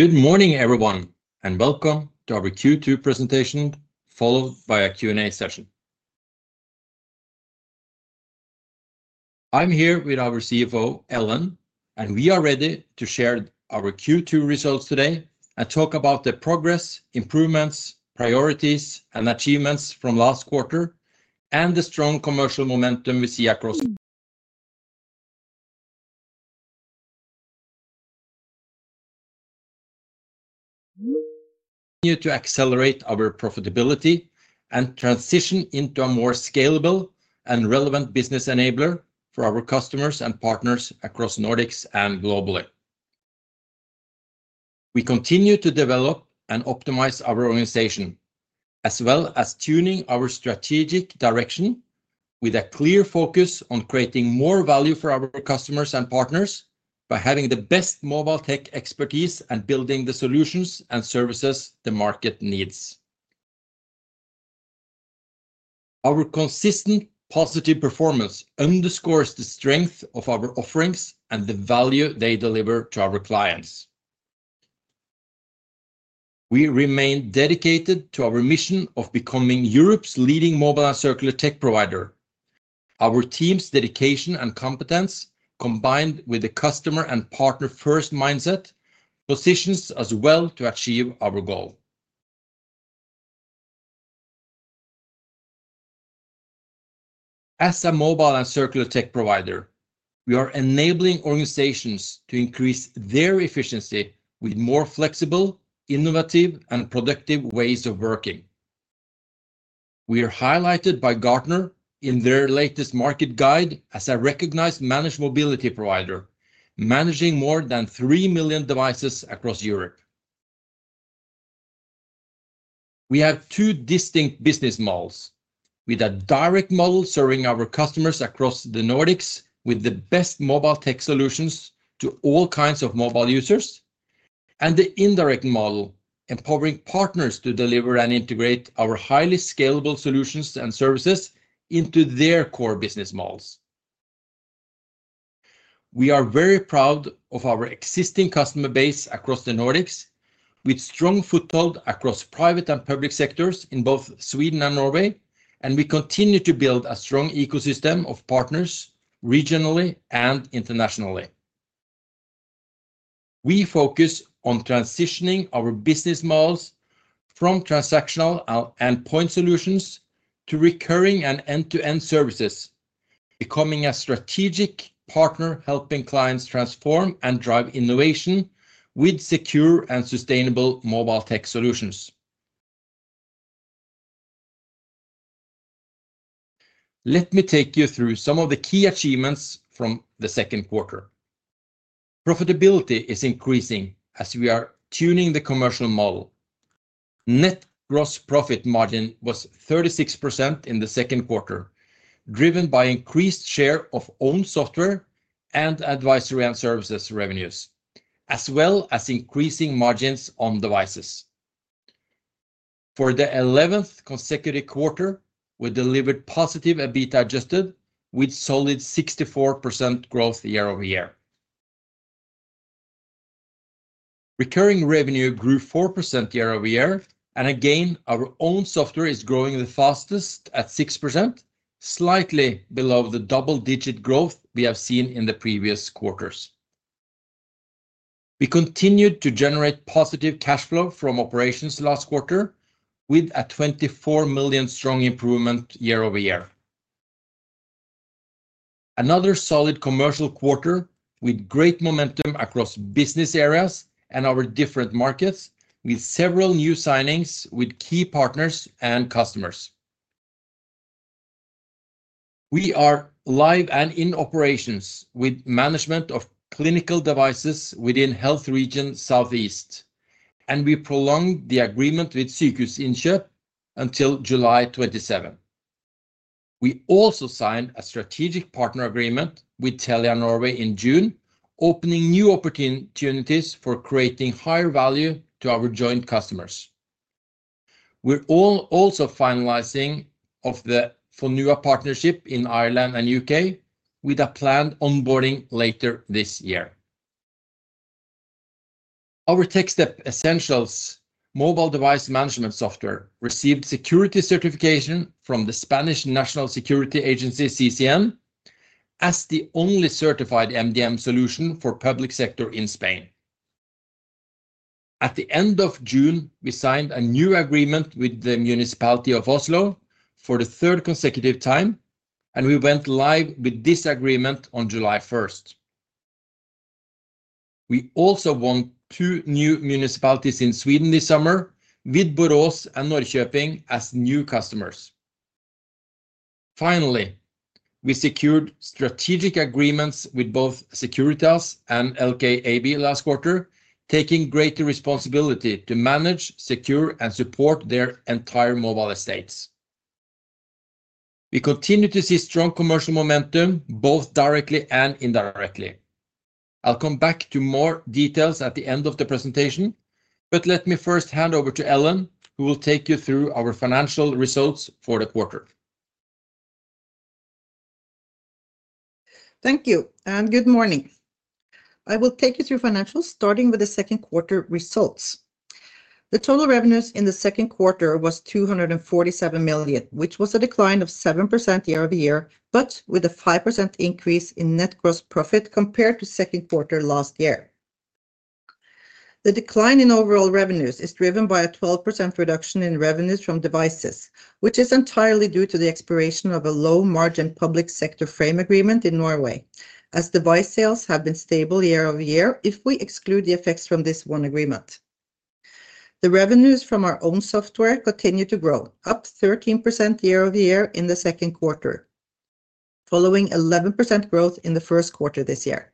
Good morning, everyone, and welcome to our Q2 presentation followed by a Q&A session. I'm here with our CFO, Ellen, and we are ready to share our Q2 results today and talk about the progress, improvements, priorities, and achievements from last quarter, and the strong commercial momentum we see across the region. We continue to accelerate our profitability and transition into a more scalable and relevant business enabler for our customers and partners across the Nordics and globally. We continue to develop and optimize our organization, as well as tuning our strategic direction with a clear focus on creating more value for our customers and partners by having the best mobile tech expertise and building the solutions and services the market needs. Our consistent positive performance underscores the strength of our offerings and the value they deliver to our clients. We remain dedicated to our mission of becoming Europe's leading mobile and circular tech provider. Our team's dedication and competence, combined with a customer and partner-first mindset, positions us well to achieve our goal. As a mobile and circular tech provider, we are enabling organizations to increase their efficiency with more flexible, innovative, and productive ways of working. We are highlighted by Gartner in their latest market guide as a recognized managed mobility provider, managing more than 3 million devices across Europe. We have two distinct business models: a direct model, serving our customers across the Nordics with the best mobile tech solutions to all kinds of mobile users, and the indirect model, empowering partners to deliver and integrate our highly scalable solutions and services into their core business models. We are very proud of our existing customer base across the Nordics, with strong foothold across private and public sectors in both Sweden and Norway, and we continue to build a strong ecosystem of partners regionally and internationally. We focus on transitioning our business models from transactional endpoint solutions to recurring and end-to-end services, becoming a strategic partner helping clients transform and drive innovation with secure and sustainable mobile tech solutions. Let me take you through some of the key achievements from the second quarter. Profitability is increasing as we are tuning the commercial model. Net gross profit margin was 36% in the second quarter, driven by increased share of owned software and advisory and services revenues, as well as increasing margins on devices. For the 11th consecutive quarter, we delivered positive adjusted EBITDA with solid 64% growth year-over-year. Recurring revenue grew 4% year-over-year, and again, our owned software is growing the fastest at 6%, slightly below the double-digit growth we have seen in the previous quarters. We continued to generate positive cash flow from operations last quarter, with a 24 million strong improvement year-over-year. Another solid commercial quarter with great momentum across business areas and our different markets, with several new signings with key partners and customers. We are live and in operations with management of clinical devices within the health region Southeast, and we prolonged the agreement with Sykehusinnkjøp until July 27. We also signed a strategic partner agreement with Telia Norway in June, opening new opportunities for creating higher value to our joint customers. We're also finalizing the Fónua partnership in Ireland and the UK, with a planned onboarding later this year. Our Techstep Essentials Mobile Device Management software received security certification from the Spanish National Security Agency (CCN), as the only certified MDM solution for the public sector in Spain. At the end of June, we signed a new agreement with the municipality of Oslo for the third consecutive time, and we went live with this agreement on July 1. We also won two new municipalities in Sweden this summer, with Borås and Norrköping as new customers. Finally, we secured strategic agreements with both Securitas and LKAB last quarter, taking greater responsibility to manage, secure, and support their entire mobile estates. We continue to see strong commercial momentum, both directly and indirectly. I'll come back to more details at the end of the presentation, but let me first hand over to Ellen, who will take you through our financial results for the quarter. Thank you, and good morning. I will take you through financials, starting with the second quarter results. The total revenues in the second quarter were 247 million, which was a decline of 7% year-over-year, but with a 5% increase in net gross profit compared to the second quarter last year. The decline in overall revenues is driven by a 12% reduction in revenues from devices, which is entirely due to the expiration of a low-margin public sector frame agreement in Norway, as device sales have been stable year-over-year if we exclude the effects from this one agreement. The revenues from our owned software continue to grow, up 13% year-over-year in the second quarter, following 11% growth in the first quarter this year.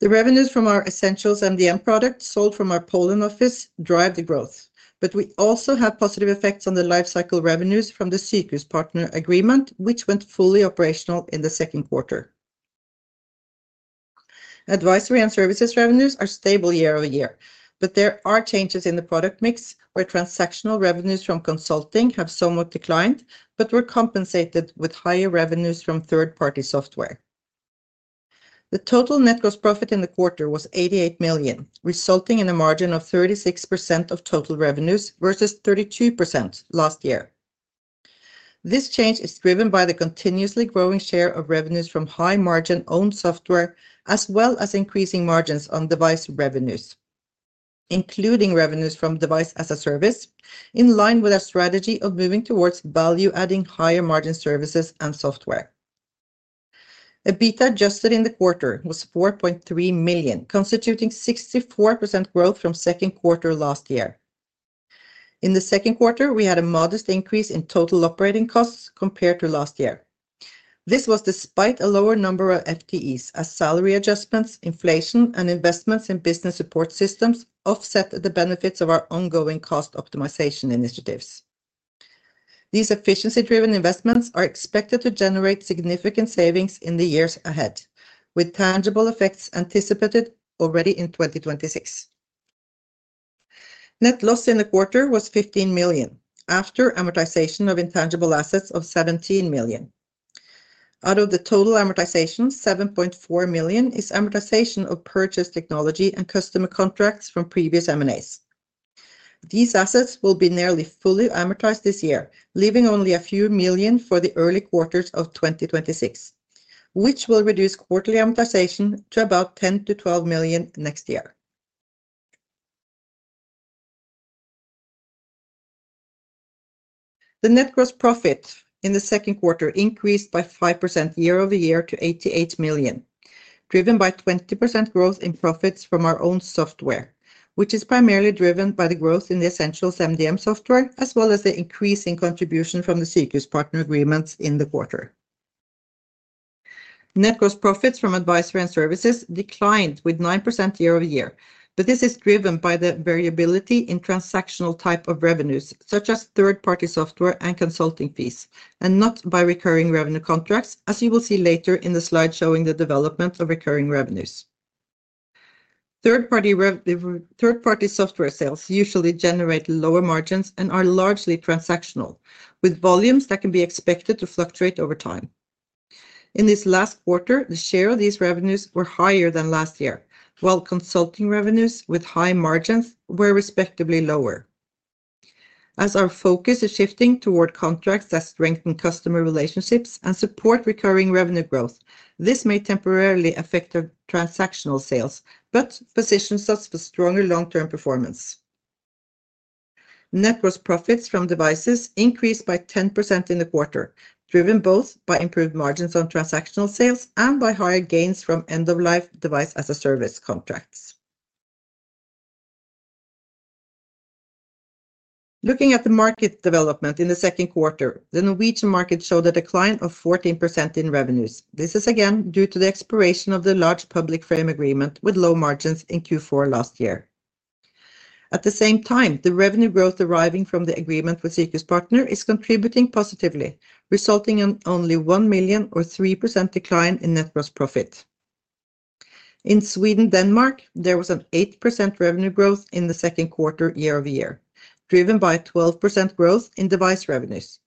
The revenues from our Essentials MDM product sold from our Poland office drive the growth, but we also have positive effects on the lifecycle revenues from the Sykehuspartner agreement, which went fully operational in the second quarter. Advisory and services revenues are stable year-over-year, but there are changes in the product mix, where transactional revenues from consulting have somewhat declined, but were compensated with higher revenues from third-party software. The total net gross profit in the quarter was 88 million, resulting in a margin of 36% of total revenues versus 32% last year. This change is driven by the continuously growing share of revenues from high-margin owned software, as well as increasing margins on device revenues, including revenues from device as a service, in line with our strategy of moving towards value-adding higher-margin services and software. Adjusted EBITDA in the quarter was 4.3 million, constituting 64% growth from the second quarter last year. In the second quarter, we had a modest increase in total operating costs compared to last year. This was despite a lower number of FTEs, as salary adjustments, inflation, and investments in business support systems offset the benefits of our ongoing cost optimization initiatives. These efficiency-driven investments are expected to generate significant savings in the years ahead, with tangible effects anticipated already in 2026. Net loss in the quarter was 15 million, after amortization of intangible assets of 17 million. Out of the total amortization, 7.4 million is amortization of purchased technology and customer contracts from previous M&As. These assets will be nearly fully amortized this year, leaving only a few million for the early quarters of 2026, which will reduce quarterly amortization to about 10 million to 12 million next year. The net gross profit in the second quarter increased by 5% year-over-year to 88 million, driven by 20% growth in profits from our owned software, which is primarily driven by the growth in the Essentials MDM software, as well as the increase in contribution from the Sykehuspartner agreements in the quarter. Net gross profits from advisory and services declined by 9% year-over-year, but this is driven by the variability in transactional types of revenues, such as third-party software and consulting fees, and not by recurring revenue contracts, as you will see later in the slide showing the development of recurring revenues. Third-party software sales usually generate lower margins and are largely transactional, with volumes that can be expected to fluctuate over time. In this last quarter, the share of these revenues was higher than last year, while consulting revenues with high margins were respectively lower. As our focus is shifting toward contracts that strengthen customer relationships and support recurring revenue growth, this may temporarily affect our transactional sales, but positions us for stronger long-term performance. Net gross profits from devices increased by 10% in the quarter, driven both by improved margins on transactional sales and by higher gains from end-of-life device as a service contracts. Looking at the market development in the second quarter, the Norwegian market showed a decline of 14% in revenues. This is again due to the expiration of the large public frame agreement with low margins in Q4 last year. At the same time, the revenue growth arriving from the agreement with Sykehuspartner is contributing positively, resulting in only 1 million or a 3% decline in net gross profit. In Sweden and Denmark, there was an 8% revenue growth in the second quarter year-over-year, driven by a 12% growth in device revenues.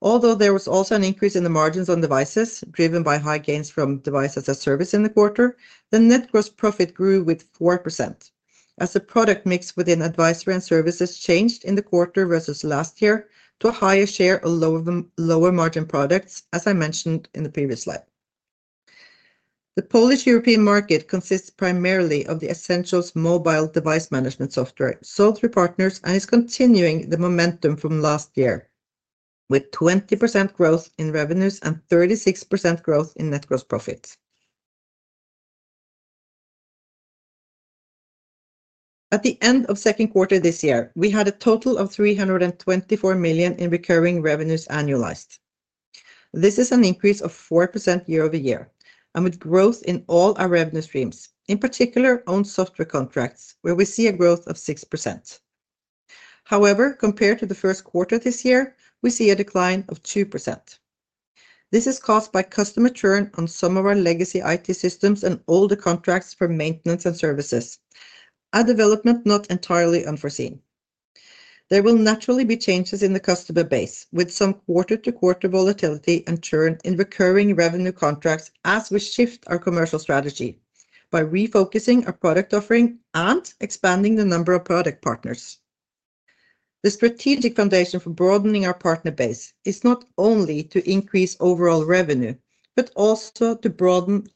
Although there was also an increase in the margins on devices, driven by high gains from devices as a service in the quarter, the net gross profit grew by 4%, as the product mix within advisory and services changed in the quarter versus last year to a higher share of lower-margin products, as I mentioned in the previous slide. The Polish-European market consists primarily of the Essentials Mobile Device Management software sold through partners and is continuing the momentum from last year, with 20% growth in revenues and 36% growth in net gross profits. At the end of the second quarter this year, we had a total of 324 million in recurring revenues annualized. This is an increase of 4% year-over-year, and with growth in all our revenue streams, in particular owned software contracts, where we see a growth of 6%. However, compared to the first quarter this year, we see a decline of 2%. This is caused by customer churn on some of our legacy IT systems and older contracts for maintenance and services, a development not entirely unforeseen. There will naturally be changes in the customer base, with some quarter-to-quarter volatility and churn in recurring revenue contracts as we shift our commercial strategy by refocusing our product offering and expanding the number of product partners. The strategic foundation for broadening our partner base is not only to increase overall revenue, but also to broaden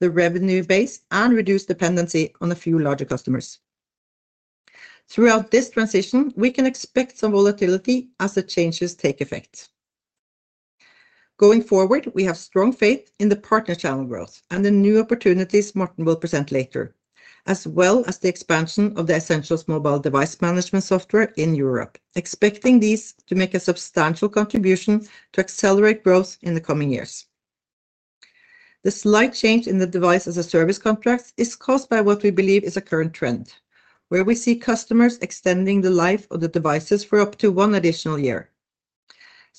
the revenue base and reduce dependency on a few larger customers. Throughout this transition, we can expect some volatility as the changes take effect. Going forward, we have strong faith in the partner channel growth and the new opportunities Morten will present later, as well as the expansion of the Essentials Mobile Device Management software in Europe, expecting these to make a substantial contribution to accelerate growth in the coming years. The slight change in the device as a service contracts is caused by what we believe is a current trend, where we see customers extending the life of the devices for up to one additional year.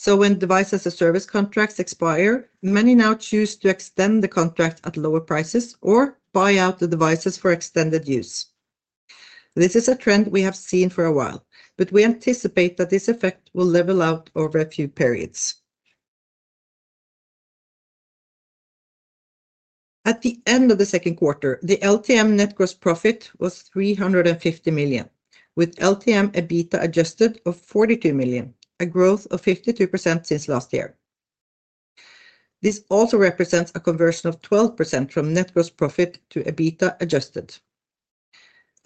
When device as a service contracts expire, many now choose to extend the contract at lower prices or buy out the devices for extended use. This is a trend we have seen for a while, but we anticipate that this effect will level out over a few periods. At the end of the second quarter, the LTM net gross profit was 350 million, with LTM adjusted EBITDA of 42 million, a growth of 52% since last year. This also represents a conversion of 12% from net gross profit to adjusted EBITDA.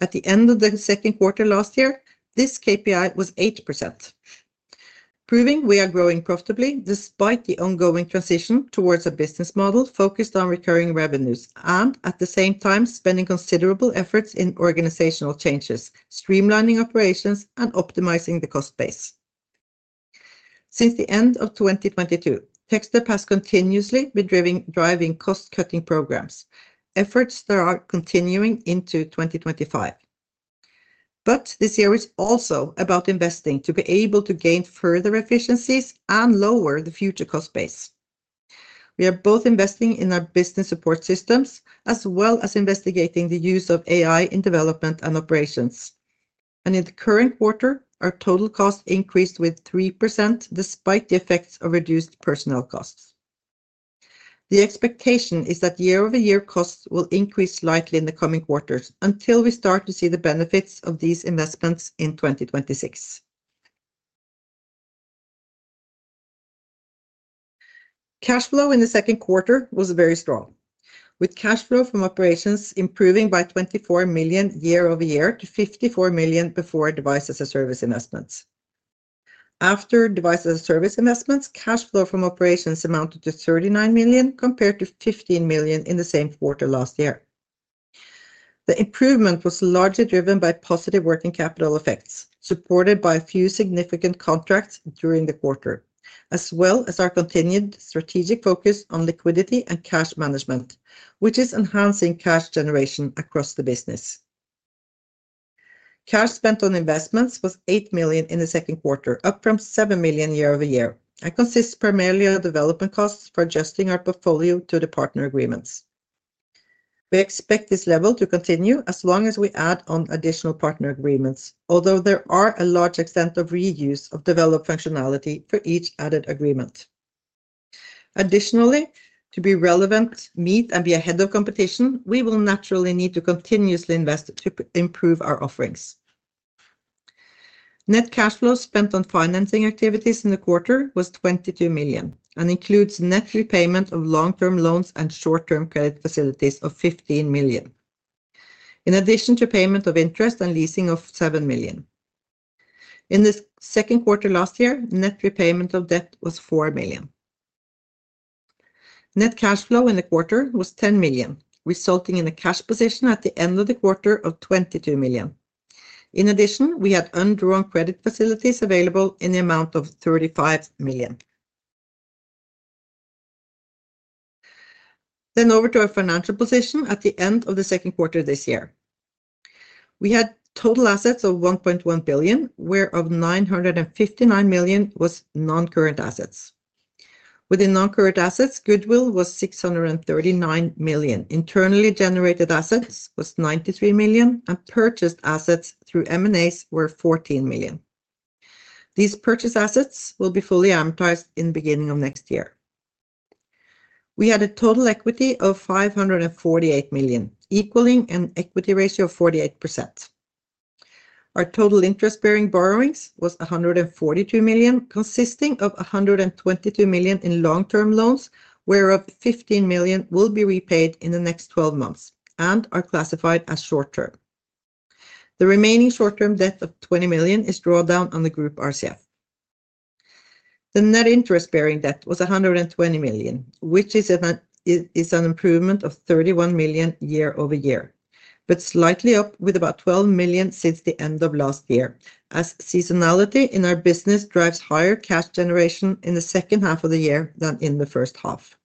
At the end of the second quarter last year, this KPI was 8%, proving we are growing profitably despite the ongoing transition towards a business model focused on recurring revenues and, at the same time, spending considerable efforts in organizational changes, streamlining operations, and optimizing the cost base. Since the end of 2022, Techstep has continuously been driving cost-cutting programs, efforts that are continuing into 2025. This year is also about investing to be able to gain further efficiencies and lower the future cost base. We are both investing in our business support systems, as well as investigating the use of AI in development and operations. In the current quarter, our total cost increased by 3% despite the effects of reduced personnel costs. The expectation is that year-over-year costs will increase slightly in the coming quarters until we start to see the benefits of these investments in 2026. Cash flow in the second quarter was very strong, with cash flow from operations improving by 24 million year-over-year to 54 million before device as a service investments. After device as a service investments, cash flow from operations amounted to 39 million compared to 15 million in the same quarter last year. The improvement was largely driven by positive working capital effects, supported by a few significant contracts during the quarter, as well as our continued strategic focus on liquidity and cash management, which is enhancing cash generation across the business. Cash spent on investments was 8 million in the second quarter, up from 7 million year-over-year, and consists primarily of development costs for adjusting our portfolio to the partner agreements. We expect this level to continue as long as we add on additional partner agreements, although there is a large extent of reuse of developed functionality for each added agreement. Additionally, to be relevant, meet, and be ahead of competition, we will naturally need to continuously invest to improve our offerings. Net cash flow spent on financing activities in the quarter was 22 million and includes net repayment of long-term loans and short-term credit facilities of 15 million, in addition to payment of interest and leasing of 7 million. In the second quarter last year, net repayment of debt was 4 million. Net cash flow in the quarter was 10 million, resulting in a cash position at the end of the quarter of 22 million. In addition, we had undrawn credit facilities available in the amount of 35 million. Over to our financial position at the end of the second quarter this year, we had total assets of 1.1 billion, whereof 959 million was non-current assets. Within non-current assets, goodwill was 639 million, internally generated assets was 93 million, and purchased assets through M&As were 14 million. These purchased assets will be fully amortized in the beginning of next year. We had a total equity of 548 million, equaling an equity ratio of 48%. Our total interest-bearing borrowings were 142 million, consisting of 122 million in long-term loans, whereof 15 million will be repaid in the next 12 months and are classified as short-term. The remaining short-term debt of 20 million is drawn down on the group RCF. The net interest-bearing debt was 120 million, which is an improvement of 31 million year-over-year, but slightly up with about 12 million since the end of last year, as seasonality in our business drives higher cash generation in the second half of the year than in the first half.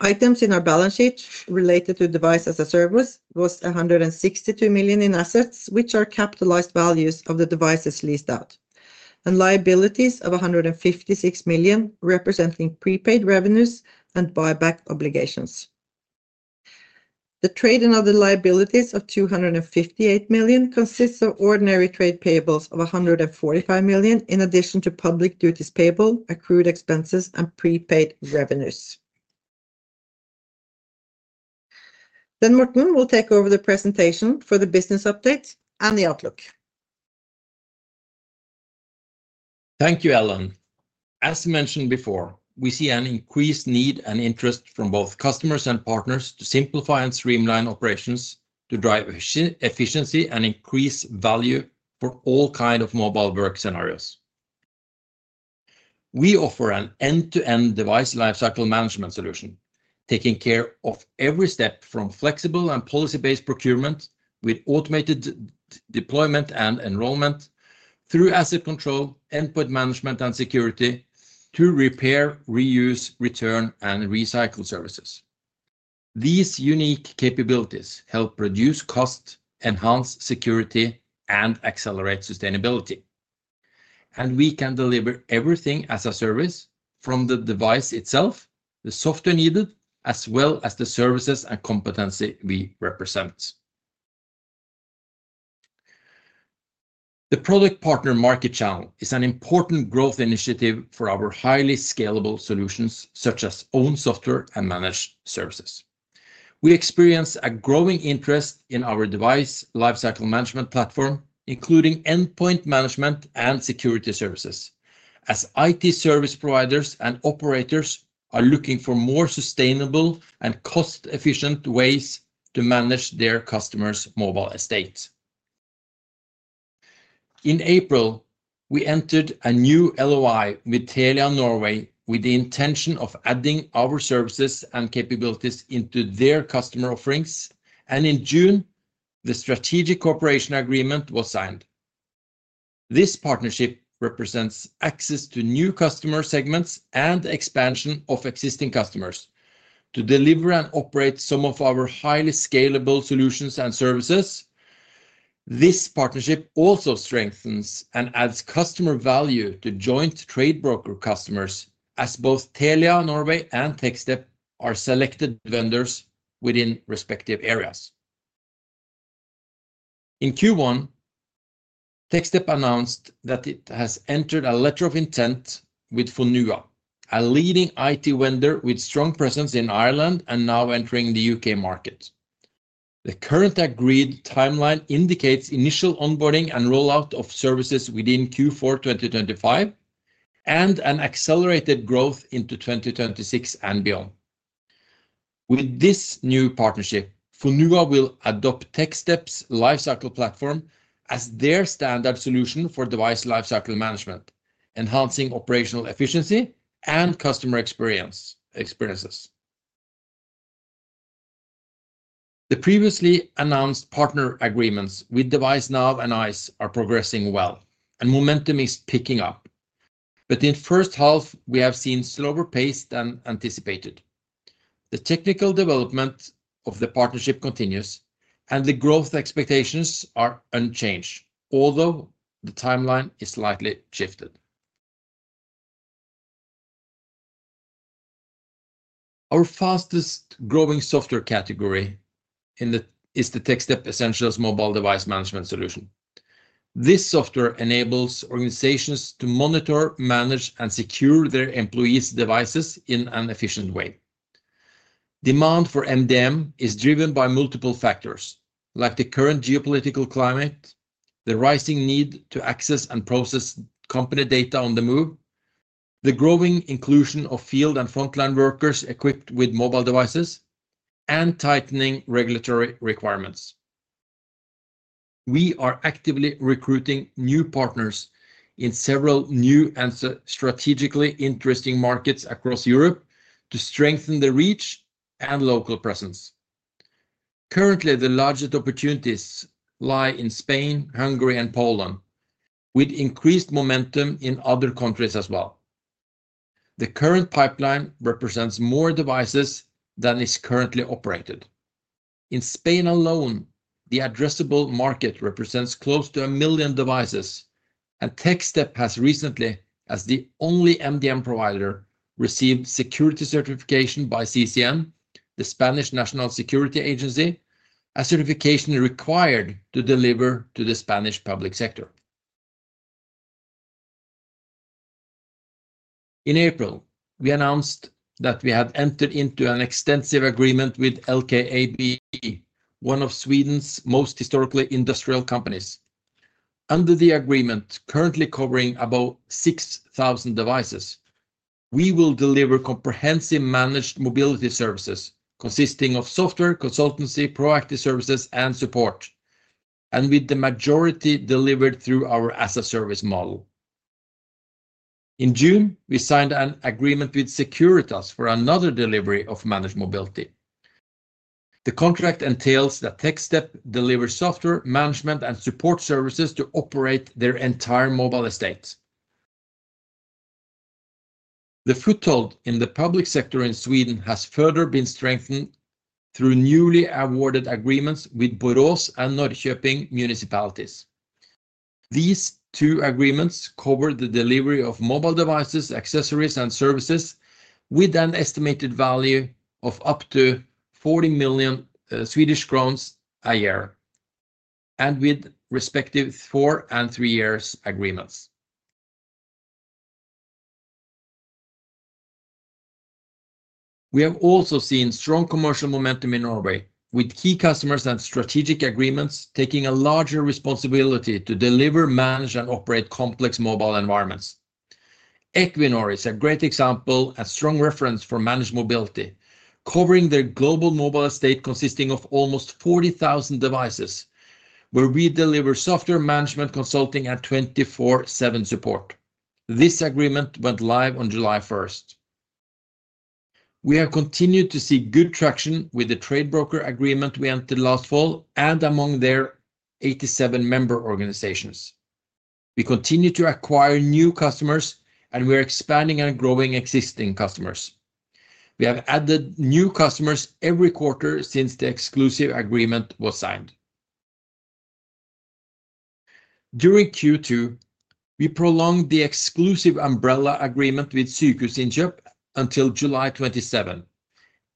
Items in our balance sheet related to device as a service were 162 million in assets, which are capitalized values of the devices leased out, and liabilities of 156 million, representing prepaid revenues and buyback obligations. The trade and other liabilities of 258 million consist of ordinary trade payables of 145 million, in addition to public duties payable, accrued expenses, and prepaid revenues. Morten will take over the presentation for the business updates and the outlook. Thank you, Ellen. As mentioned before, we see an increased need and interest from both customers and partners to simplify and streamline operations to drive efficiency and increase value for all kinds of mobile work scenarios. We offer an end-to-end device lifecycle management solution, taking care of every step from flexible and policy-based procurement with automated deployment and enrollment through asset control, endpoint management, and security to repair, reuse, return, and recycle services. These unique capabilities help reduce costs, enhance security, and accelerate sustainability. We can deliver everything as a service, from the device itself, the software needed, as well as the services and competency we represent. The product partner market channel is an important growth initiative for our highly scalable solutions, such as owned software and managed services. We experience a growing interest in our device lifecycle management platform, including endpoint management and security services, as IT service providers and operators are looking for more sustainable and cost-efficient ways to manage their customers' mobile estates. In April, we entered a new LOI with Telia Norway with the intention of adding our services and capabilities into their customer offerings, and in June, the strategic cooperation agreement was signed. This partnership represents access to new customer segments and expansion of existing customers to deliver and operate some of our highly scalable solutions and services. This partnership also strengthens and adds customer value to joint Tradebroker customers, as both Telia Norway and Techstep are selected vendors within respective areas. In Q1, Techstep announced that it has entered a letter of intent with Fónua, a leading IT vendor with strong presence in Ireland and now entering the UK market. The current agreed timeline indicates initial onboarding and rollout of services within Q4 2025, and an accelerated growth into 2026 and beyond. With this new partnership, Fónua will adopt Techstep's Lifecycle platform as their standard solution for device lifecycle management, enhancing operational efficiency and customer experiences. The previously announced partner agreements with devicenow and ICE are progressing well, and momentum is picking up, but in the first half, we have seen a slower pace than anticipated. The technical development of the partnership continues, and the growth expectations are unchanged, although the timeline is slightly shifted. Our fastest growing software category is the Techstep Essentials Mobile Device Management solution. This software enables organizations to monitor, manage, and secure their employees' devices in an efficient way. Demand for MDM is driven by multiple factors, like the current geopolitical climate, the rising need to access and process company data on the move, the growing inclusion of field and frontline workers equipped with mobile devices, and tightening regulatory requirements. We are actively recruiting new partners in several new and strategically interesting markets across Europe to strengthen the reach and local presence. Currently, the largest opportunities lie in Spain, Hungary, and Poland, with increased momentum in other countries as well. The current pipeline represents more devices than is currently operated. In Spain alone, the addressable market represents close to 1 million devices, and Techstep has recently, as the only MDM provider, received security certification by CCN, the Spanish National Security Agency, a certification required to deliver to the Spanish public sector. In April, we announced that we had entered into an extensive agreement with LKAB, one of Sweden's most historically industrial companies. Under the agreement, currently covering about 6,000 devices, we will deliver comprehensive managed mobility services consisting of software, consultancy, proactive services, and support, with the majority delivered through our asset service model. In June, we signed an agreement with Securitas for another delivery of managed mobility. The contract entails that Techstep delivers software, management, and support services to operate their entire mobile estate. The foothold in the public sector in Sweden has further been strengthened through newly awarded agreements with Borås and Norrköping municipalities. These two agreements cover the delivery of mobile devices, accessories, and services with an estimated value of up to 40 million Swedish crowns a year, and with respective four and three-year agreements. We have also seen strong commercial momentum in Norway, with key customers and strategic agreements taking a larger responsibility to deliver, manage, and operate complex mobile environments. Equinor is a great example and strong reference for managed mobility, covering their global mobile estate consisting of almost 40,000 devices, where we deliver software management consulting and 24/7 support. This agreement went live on July 1. We have continued to see good traction with the Tradebroker agreement we entered last fall and among their 87 member organizations. We continue to acquire new customers, and we are expanding and growing existing customers. We have added new customers every quarter since the exclusive agreement was signed. During Q2, we prolonged the exclusive umbrella agreement with Sykehusinnkjøp until July 27,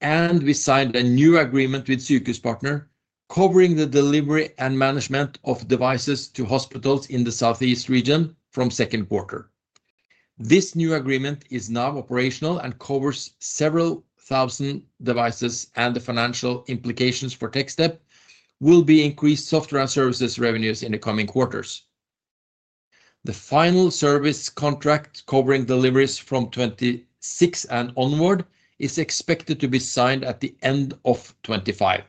and we signed a new agreement with Sykehuspartner, covering the delivery and management of devices to hospitals in the Southeast region from the second quarter. This new agreement is now operational and covers several thousand devices, and the financial implications for Techstep will be increased software and services revenues in the coming quarters. The final service contract covering deliveries from 2026 and onward is expected to be signed at the end of 2025.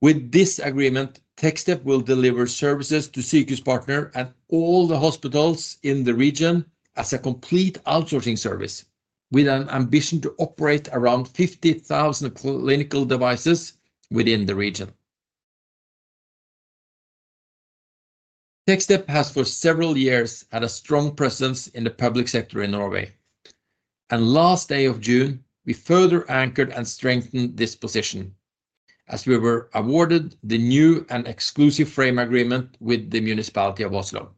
With this agreement, Techstep will deliver services to Sykehuspartner and all the hospitals in the region as a complete outsourcing service, with an ambition to operate around 50,000 clinical devices within the region. Techstep has for several years had a strong presence in the public sector in Norway, and last day of June, we further anchored and strengthened this position as we were awarded the new and exclusive frame agreement with the municipality of Oslo.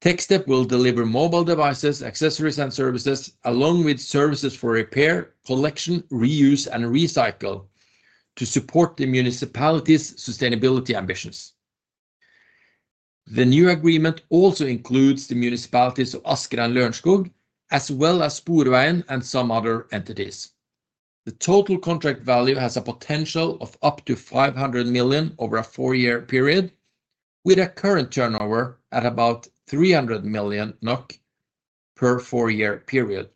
Techstep will deliver mobile devices, accessories, and services, along with services for repair, collection, reuse, and recycle to support the municipality's sustainability ambitions. The new agreement also includes the municipalities of Asker and Lørenskog, as well as Sporveien and some other entities. The total contract value has a potential of up to 500 million over a four-year period, with a current turnover at about 300 million NOK per four-year period.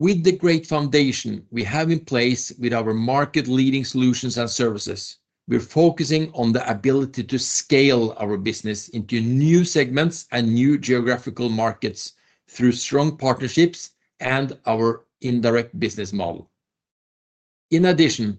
With the great foundation we have in place with our market-leading solutions and services, we're focusing on the ability to scale our business into new segments and new geographical markets through strong partnerships and our indirect business model. In addition,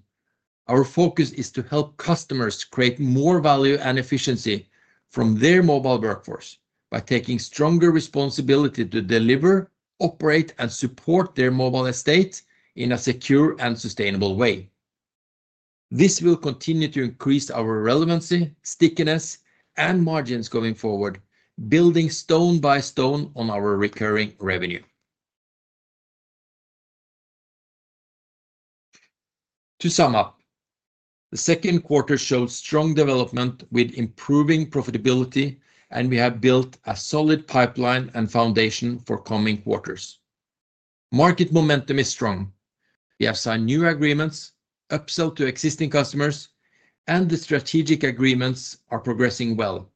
our focus is to help customers create more value and efficiency from their mobile workforce by taking stronger responsibility to deliver, operate, and support their mobile estate in a secure and sustainable way. This will continue to increase our relevancy, stickiness, and margins going forward, building stone by stone on our recurring revenue. To sum up, the second quarter shows strong development with improving profitability, and we have built a solid pipeline and foundation for the coming quarters. Market momentum is strong. We have signed new agreements, upsell to existing customers, and the strategic agreements are progressing well.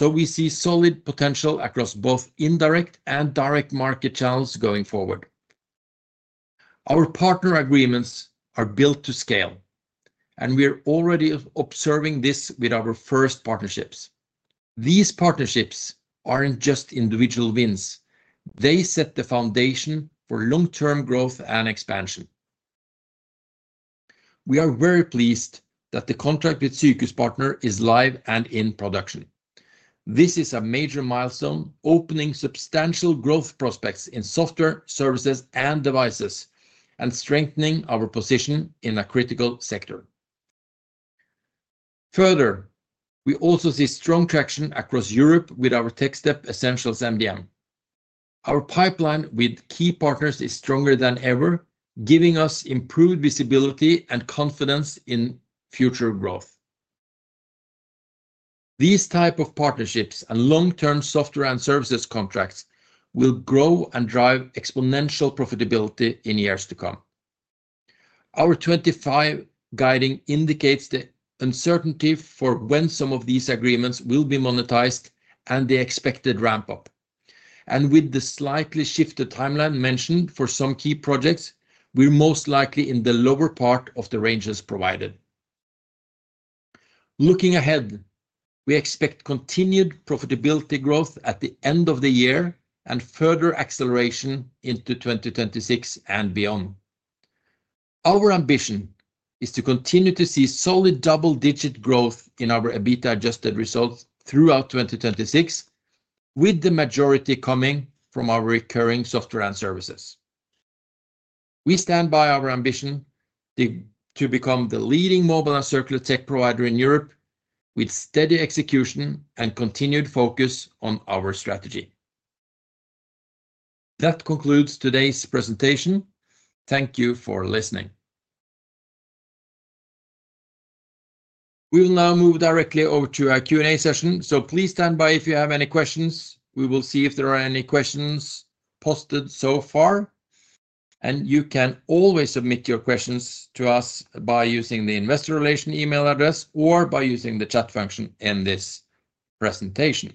We see solid potential across both indirect and direct market channels going forward. Our partner agreements are built to scale, and we're already observing this with our first partnerships. These partnerships aren't just individual wins; they set the foundation for long-term growth and expansion. We are very pleased that the contract with Sykehuspartner is live and in production. This is a major milestone, opening substantial growth prospects in software, services, and devices, and strengthening our position in a critical sector. Further, we also see strong traction across Europe with our Techstep Essentials MDM. Our pipeline with key partners is stronger than ever, giving us improved visibility and confidence in future growth. These types of partnerships and long-term software and services contracts will grow and drive exponential profitability in years to come. Our 2025 guidance indicates the uncertainty for when some of these agreements will be monetized and the expected ramp-up. With the slightly shifted timeline mentioned for some key projects, we're most likely in the lower part of the ranges provided. Looking ahead, we expect continued profitability growth at the end of the year and further acceleration into 2026 and beyond. Our ambition is to continue to see solid double-digit growth in our adjusted EBITDA results throughout 2026, with the majority coming from our recurring software and services. We stand by our ambition to become the leading mobile and circular tech provider in Europe, with steady execution and continued focus on our strategy. That concludes today's presentation. Thank you for listening. We will now move directly over to our Q&A session, so please stand by if you have any questions. We will see if there are any questions posted so far, and you can always submit your questions to us by using the investor relation email address or by using the chat function in this presentation.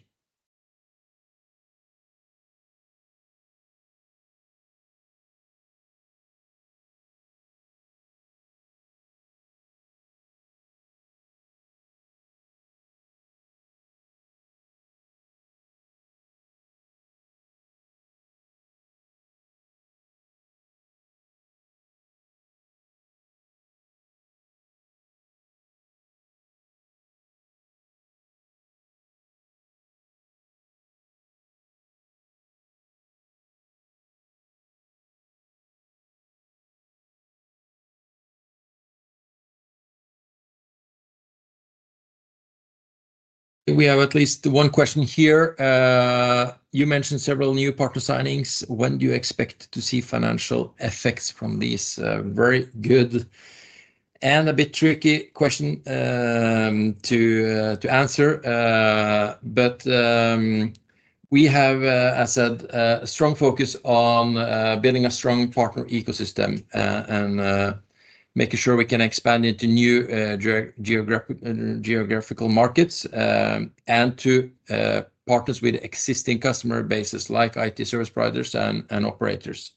We have at least one question here. You mentioned several new partner signings. When do you expect to see financial effects from these? Very good and a bit tricky question to answer. We have, as I said, a strong focus on building a strong partner ecosystem and making sure we can expand into new geographical markets and to partners with existing customer bases like IT service providers and operators.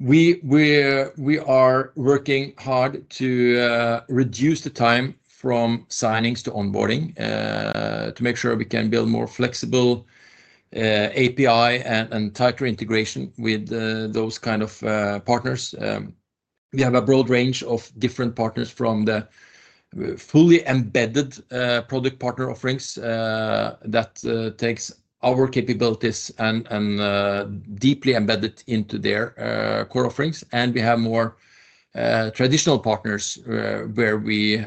We are working hard to reduce the time from signings to onboarding to make sure we can build more flexible API and tighter integration with those kinds of partners. We have a broad range of different partners from the fully embedded product partner offerings that take our capabilities and deeply embed them into their core offerings. We have more traditional partners where we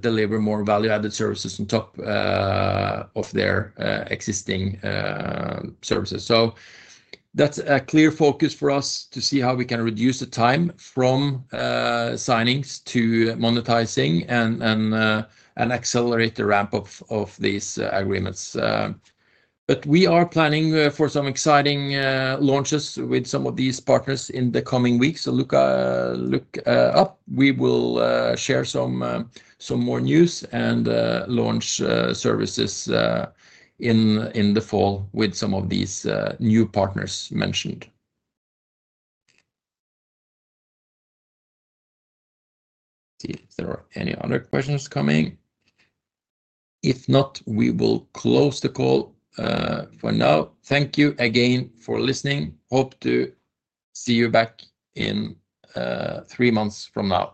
deliver more value-added services on top of their existing services. That's a clear focus for us to see how we can reduce the time from signings to monetizing and accelerate the ramp-up of these agreements. We are planning for some exciting launches with some of these partners in the coming weeks. Look up. We will share some more news and launch services in the fall with some of these new partners mentioned. See if there are any other questions coming. If not, we will close the call for now. Thank you again for listening. Hope to see you back in three months from now.